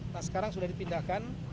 nah sekarang sudah dipindahkan